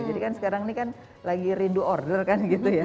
jadi kan sekarang ini kan lagi rindu order kan gitu ya